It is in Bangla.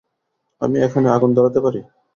আমি এখানে আগুন ধরাতে পারি?